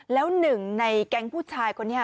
แล้วหนึ่งในแก๊งผู้ชายคนนี้